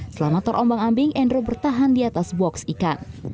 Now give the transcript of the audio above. selama terombang ambing endro bertahan di atas box ikan